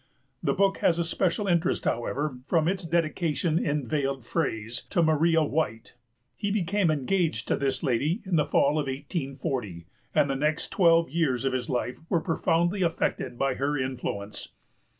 The book has a special interest, however, from its dedication in veiled phrase to Maria White. He became engaged to this lady in the fall of 1840, and the next twelve years of his life were profoundly affected by her influence.